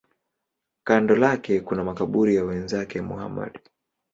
Kando lake kuna makaburi ya wenzake Muhammad.